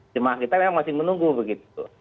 jemaah kita memang masih menunggu begitu